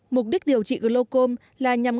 mục đích điều trị glocom là nhằm ngăn